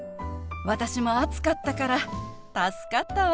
私も暑かったから助かったわ。